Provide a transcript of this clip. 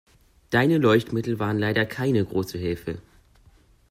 Deine Leuchtmittel waren leider keine große Hilfe.